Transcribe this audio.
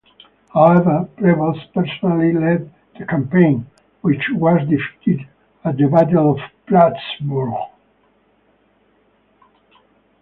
However, Prevost personally led the campaign, which was defeated at the Battle of Plattsburgh.